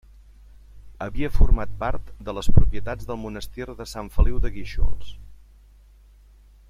Havia format part de les propietats del Monestir de Sant Feliu de Guíxols.